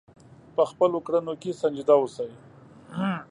په خپلو کړنو کې سنجیده اوسئ.